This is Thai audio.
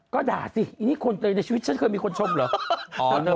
ก็ด่าสิอิกนี่ในชีวิตชัยเคยมีคนชมเหรอ